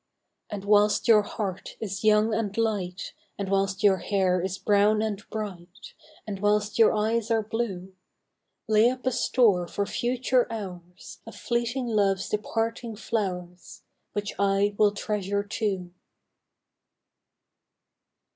And whilst your heart is young and light, And whilst your hair is brown and bright, And whilst your eyes are blue, Lay up a store for future hours Of fleeting love's departing flowVs Which I will treasure too.